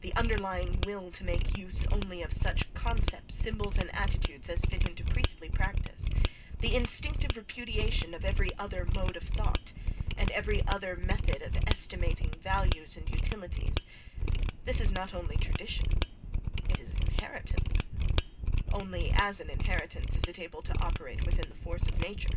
The underlying will to make use only of such concepts, symbols and attitudes as fit into priestly practice, the instinctive repudiation of every other mode of thought, and every other method of estimating values and utilities—this is not only tradition, it is inheritance: only as an inheritance is it able to operate with the force of nature.